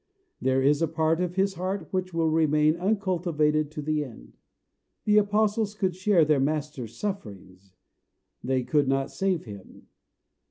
There is a part of his heart which will remain uncultivated to the end. The apostles could share their Master's sufferings they could not save him.